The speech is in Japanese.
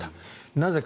なぜか。